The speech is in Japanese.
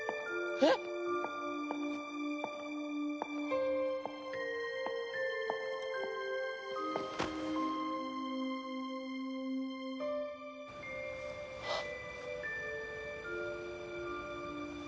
あっあっ。